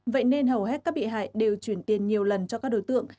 vậy nên hầu hết các bị hại đều chuyển tiền nhiều lần cho các đối tượng